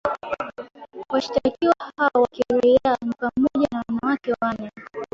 Washtakiwa hao wa kiraiaa ni pamoja na wanawake wane